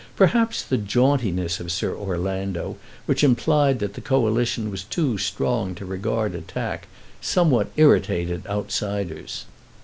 Perhaps the jauntiness of Sir Orlando, which implied that the Coalition was too strong to regard attack, somewhat irritated outsiders.